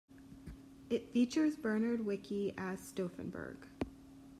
It features Bernhard Wicki as Stauffenberg.